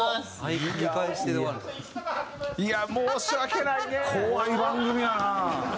いや申し訳ないね。